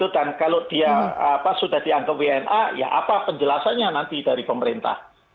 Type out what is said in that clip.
dan kalau dia sudah dianggap wna ya apa penjelasannya nanti dari pemerintah